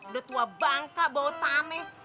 udah tua bangka bau taneh